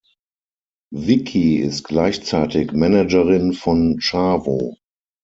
Vickie ist gleichzeitig Managerin von Chavo.